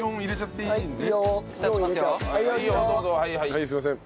はいすみません。